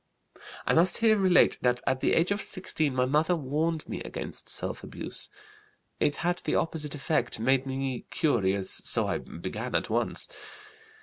"I must here relate that at the age of 16 my mother warned me against self abuse. It had the opposite effect, made me curious, so I began at once.